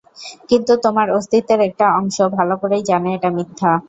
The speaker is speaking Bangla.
কিন্তু, তোমার অস্তিত্বের একটা অংশ ভাল করেই জানে এটা মিথ্যা।